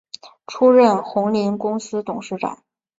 出任鸿霖公司董事长。